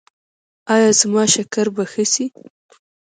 ایا زما شکر به ښه شي؟